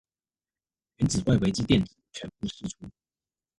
原子外圍之電子全體釋出